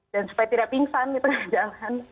dan supaya tidak pingsan jalan